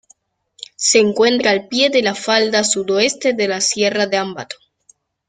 Se encuentra al pie de la falda sudoeste de la Sierra de Ambato.